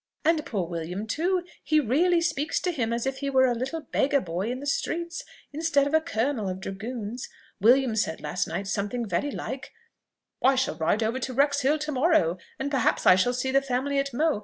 And poor William, too he really speaks to him as if he were a little beggar boy in the streets, instead of a colonel of dragoons. William said last night something very like, 'I shall ride over to Wrexhill to morrow, and perhaps I shall see the family at Mow....'